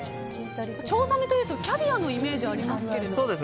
チョウザメというとキャビアのイメージありますけども。